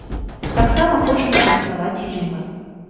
Таксама хочам падрыхтаваць фільмы.